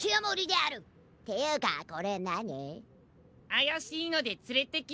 あやしいのでつれてきました！